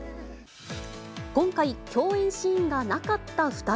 今回、共演シーンがなかった２人。